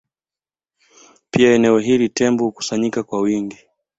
Pia eneo hili Tembo hukusanyika kwa wingi